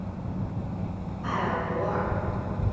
埃尔博尔。